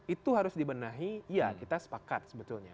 itu harus dibenahi ya kita sepakat sebetulnya